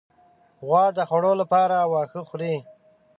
غوا د خوړو لپاره واښه خوري.